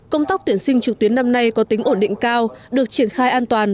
công tác tuyển sinh trực tuyến năm nay có tính ổn định cao được triển khai an toàn